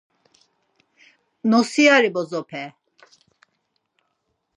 Nosiyari bozope...